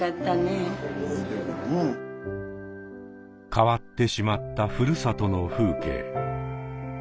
変わってしまった故郷の風景。